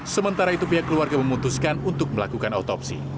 sementara itu pihak keluarga memutuskan untuk melakukan otopsi